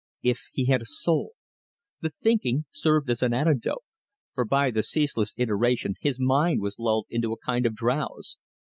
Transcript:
"If he had a soul!" The thinking served as an antidote, for by the ceaseless iteration his mind was lulled into a kind of drowse.